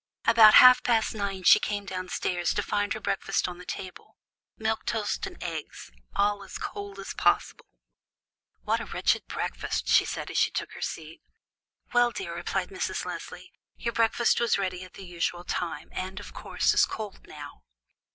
About half past nine she came down stairs, to find her breakfast on the table; milk, toast, and egg, all as cold as possible. "What a wretched breakfast!" she said, as she took her seat. "Well, dear," replied Mrs. Leslie, "your breakfast was ready at the usual time, and of course is cold now."